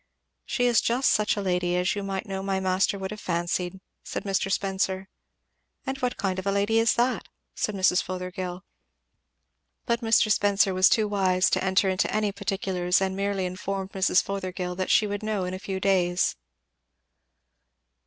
"She is just such a lady as you might know my master would have fancied," said Mr. Spenser. "And what kind of a lady is that?" said Mrs. Fothergill. But Mr. Spenser was too wise to enter into any particulars and merely informed Mrs. Fothergill that she would know in a few days.